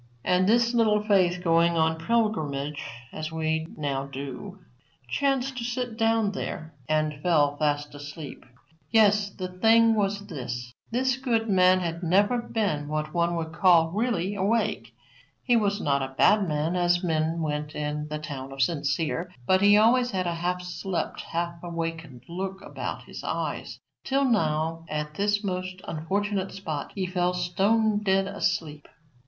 And this Little Faith going on pilgrimage, as we now do, chanced to sit down there and fell fast asleep. Yes; the thing was this: This good man had never been what one would call really awake. He was not a bad man, as men went in the town of Sincere, but he always had a half slept half awakened look about his eyes, till now, at this most unfortunate spot, he fell stone dead asleep.